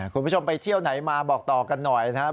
คุณผู้ชมไปเที่ยวไหนมาบอกต่อกันหน่อยนะครับ